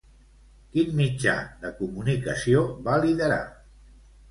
Quin mitjà de comunicació va liderar?